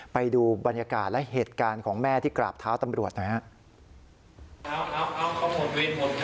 ไปดูบรรยากาศและเหตุการณ์ของแม่ที่กราบเท้าตำรวจหน่อยครับ